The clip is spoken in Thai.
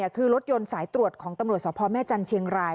คือรถยนต์สายตรวจของตำรวจสพแม่จันทร์เชียงราย